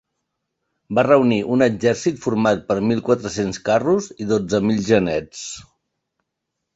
Va reunir un exèrcit format per mil quatre-cents carros i dotze mil genets.